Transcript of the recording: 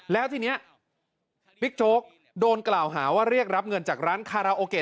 แล้วทีนี้บิ๊กโจ๊กโดนกล่าวหาว่าเรียกรับเงินจากร้านคาราโอเกะ